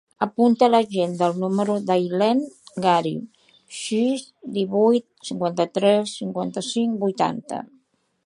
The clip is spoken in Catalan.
Apunta a l'agenda el número de l'Aylen Gari: sis, divuit, cinquanta-tres, cinquanta-cinc, vuitanta.